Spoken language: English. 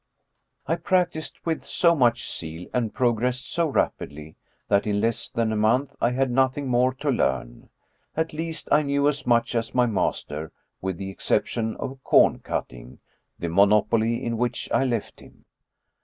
I practiced with so much zeal, and progressed so rapidly, that in less than a month I had nothing more to learn; at least, I knew as much as my master, with the exception of corn cutting, the monopoly in which I left him.